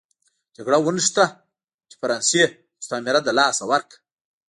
جګړه ونښته چې فرانسې مستعمره له لاسه ورکړه.